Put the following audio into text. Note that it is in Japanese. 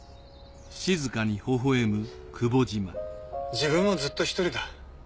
自分もずっと一人だ。